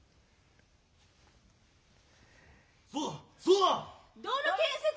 そうだそうだ！